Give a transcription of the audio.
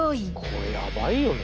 これヤバいよね。